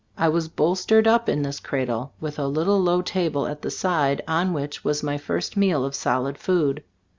I was bolstered up in this cradle, with a little low table at the side on which was my first meal of solid food.